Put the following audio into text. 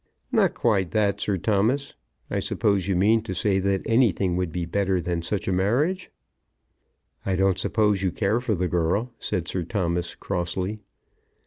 "Not quite that, Sir Thomas. I suppose you mean to say that anything would be better than such a marriage?" "I don't suppose you care for the girl," said Sir Thomas, crossly.